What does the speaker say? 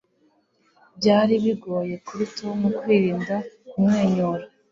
Byari bigoye kuri Tom kwirinda kumwenyura.